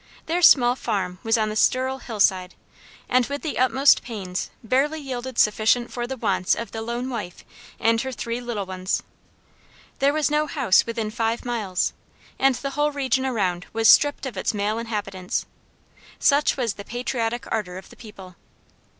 Their small farm was on the sterile hill side, and with the utmost pains, barely yielded sufficient for the wants of the lone wife and her three little ones. There was no house within five miles, and the whole region around was stripped of its male inhabitants, such was the patriotic ardor of the people.